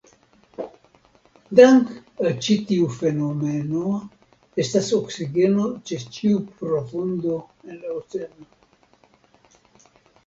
Dank' al ĉi tiu fenomeno estas oksigeno ĉe ĉiu profundo en la oceano.